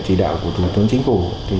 chỉ đạo của thủ tướng chính phủ